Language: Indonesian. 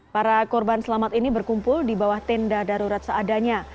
para korban selamat ini berkumpul di bawah tenda darurat seadanya